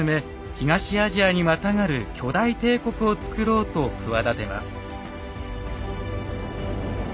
東アジアにまたがる巨大帝国をつくろうと企てます。